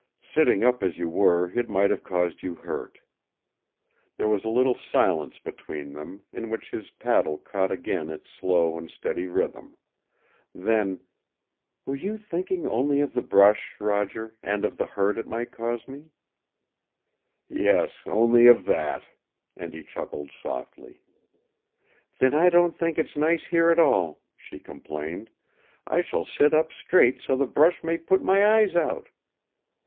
"Sitting up as you were it might have caused you hurt." There was a little silence between them, in which his paddle caught again its slow and steady rhythm. Then, "Were you thinking only of the brush, Roger and of the hurt it might cause me?" "Yes, only of that," and he chuckled softly. "Then I don't think it nice here at all," she complained. "I shall sit up straight so the brush may put my eyes out!"